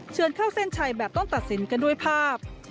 เข้าเส้นชัยแบบต้องตัดสินกันด้วยภาพ